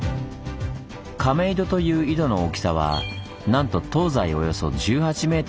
亀井戸という井戸の大きさはなんと東西およそ１８ｍ。